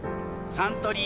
サントリー